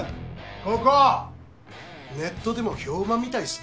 ここネットでも評判みたいっすね。